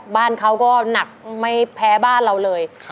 บ้านเขาก็หนักไม่แพ้บ้านเราเลย